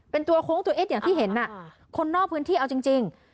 เป็นตัวโค้งตัวเอ็ดอย่างที่เห็นคนนอกพื้นที่เอาจริง